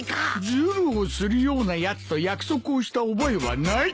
ずるをするようなやつと約束をした覚えはない。